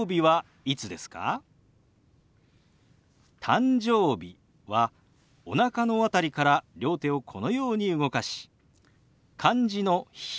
「誕生日」はおなかのあたりから両手をこのように動かし漢字の「日」。